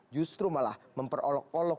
justru malah memperolok olok